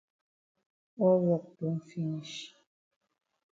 All wok don finish.